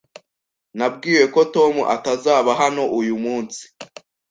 Nabwiwe ko Tom atazaba hano uyu munsi